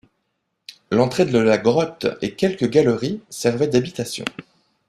L’entrée de la grotte et quelques galeries servaient d’habitation.